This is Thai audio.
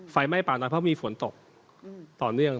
ฟัยให้ไม่ให้ป่าน้อยเพราะมีฝนตกต่อเนื่อง